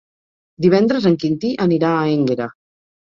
Divendres en Quintí anirà a Énguera.